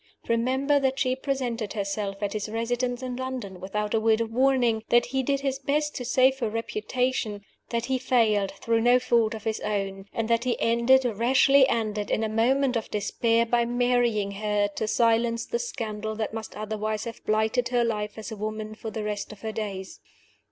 Remember that she presented herself at his residence in London without a word of warning; that he did his best to save her reputation; that he failed, through no fault of his own; and that he ended, rashly ended in a moment of despair, by marrying her, to silence the scandal that must otherwise have blighted her life as a woman for the rest of her days.